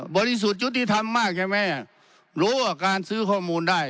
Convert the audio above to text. สุทธิธรรมมากใช่ไหมรู้ว่าการซื้อข้อมูลได้